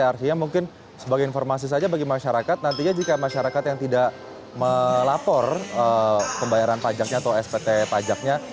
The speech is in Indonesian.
artinya mungkin sebagai informasi saja bagi masyarakat nantinya jika masyarakat yang tidak melapor pembayaran pajaknya atau spt pajaknya